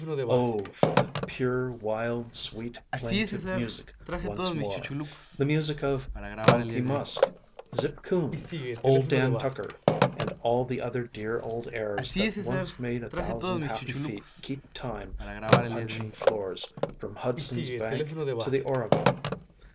Oh, for the pure, wild, sweet, plaintive music once more! the music of "Money Musk," "Zip Coon," "Ol' Dan Tucker" and all the other dear old airs that once made a thousand happy feet keep time on the puncheon floors from Hudson's bank to the Oregon.